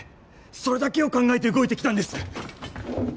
それだけを考えて動いてきたんです